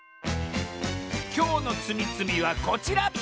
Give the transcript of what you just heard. きょうのつみつみはこちら！